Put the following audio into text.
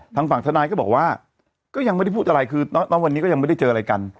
ทางฝั่งทนายก็บอกว่าก็ยังไม่ได้พูดอะไรคือวันนี้ก็ยังไม่ได้เจออะไรกัน